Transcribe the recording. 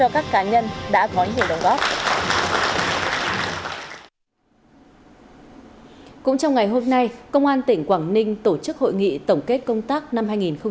cũng trong ngày hôm nay công an tỉnh quảng ninh tổ chức hội nghị tổng kết công tác năm hai nghìn một mươi chín